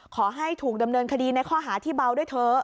ขอให้ถูกดำเนินคดีในข้อหาที่เบาด้วยเถอะ